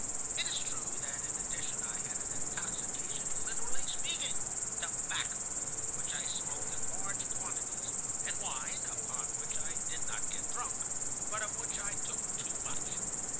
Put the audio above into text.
It is true that in addition I had an intoxication literally speaking,—tobacco, which I smoked in large quantities, and wine, upon which I did not get drunk, but of which I took too much.